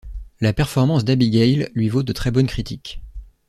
La performance d'Abigail lui vaut de très bonnes critiques.